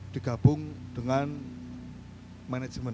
digabung dengan manajemen